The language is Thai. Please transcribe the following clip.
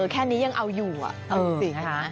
แค่นี้ยังเอาอยู่อ่ะเอาสินะฮะ